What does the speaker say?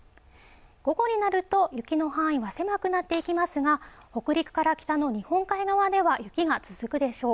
午後になると雪の範囲は狭くなっていきますが、北陸から北の日本海側では雪が続くでしょう。